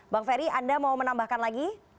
bang ferry anda mau menambahkan lagi